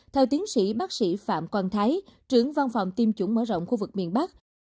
theo tiến sĩ bác sĩ phạm quang thái trưởng văn phòng tiêm chủng mở rộng khu vực miền bắc